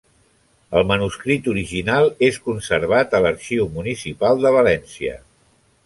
El manuscrit original és conservat a l'Arxiu Municipal de València.